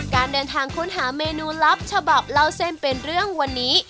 การเดินทางค้นหาเมนูลับฉบับเล่าเส้นเป็นเรื่องวันนี้